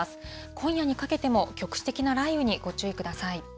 今夜にかけても、局地的な雷雨にご注意ください。